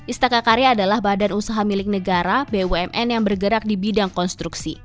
istaka karya adalah badan usaha milik negara bumn yang bergerak di bidang konstruksi